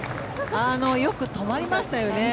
よく止まりましたよね。